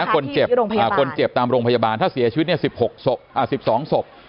คนเจ็บคนเจ็บตามโรงพยาบาลถ้าเสียชีวิตสิบหกศพสิบสองศพ